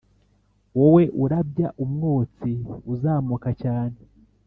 wowe urabya umwotsi, uzamuka cyane,